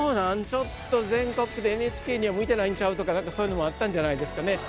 ちょっと全国でＮＨＫには向いてないんちゃう？とかそういうのもあったんじゃないですかね。